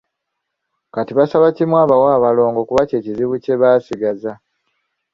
Kati basaba kimu abawe abalongo kuba kye kizibu kye basigazza.